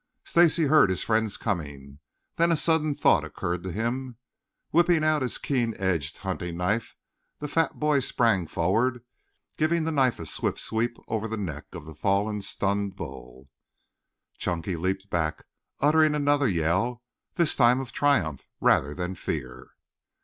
Stacy heard his friends coming, then a sudden thought occurred to him. Whipping out his keen edged hunting knife the fat boy sprang forward, giving the knife a swift sweep over the neck of the fallen, stunned bull. Chunky leaped back, uttering another yell, this time of triumph rather than fear.